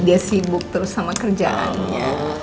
dia sibuk terus sama kerjaannya